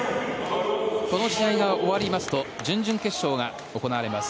この試合が終わりますと準々決勝が行われます。